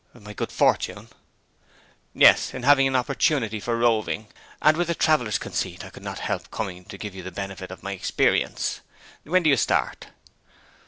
'My good fortune?' 'Yes, in having an opportunity for roving; and with a traveller's conceit I couldn't help coming to give you the benefit of my experience. When do you start?'